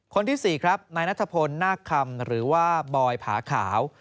คนที่๔ครับนายนัทพลนาคคำหรือว่าบอยผาขาว